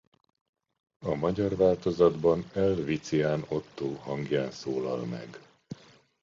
A magyar változatban L Viczián Ottó hangján szólal meg.